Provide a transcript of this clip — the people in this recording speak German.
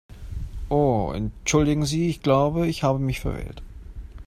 Oh entschuldigen Sie, ich glaube, ich habe mich verwählt.